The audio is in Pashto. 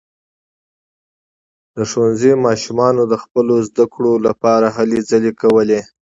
د ښوونځي ماشومانو د خپلو زده کړو لپاره هلې ځلې کولې.